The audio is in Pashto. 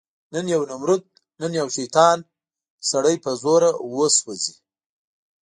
نن یو نمرود، نن یو شیطان، سړی په زړه وسوځي